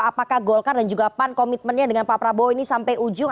apakah golkar dan juga pan komitmennya dengan pak prabowo ini sampai ujung